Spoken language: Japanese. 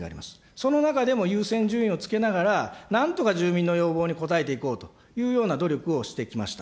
その中でも優先順位をつけながら、なんとか住民の要望に応えていこうというような努力をしてきました。